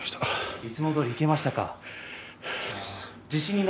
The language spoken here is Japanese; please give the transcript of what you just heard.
いつもどおり出ましたか。